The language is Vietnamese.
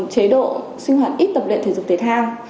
chế độ sinh hoạt ít tập luyện thể dục thể thao